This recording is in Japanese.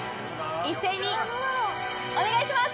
一斉にお願いします！